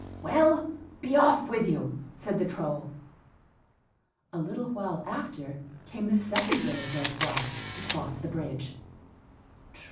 "Well! be off with you," said the Troll. A little while after came the second billy goat Gruff to cross the bridge.